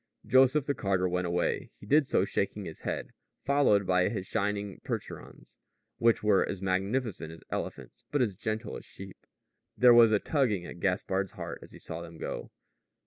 Joseph the carter went away. He did so shaking his head, followed by his shining Percherons, which were as majestic as elephants, but as gentle as sheep. There was a tugging at Gaspard's heart as he saw them go.